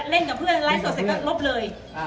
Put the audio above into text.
กับเพื่อนไลฟ์สดเสร็จก็ลบเลย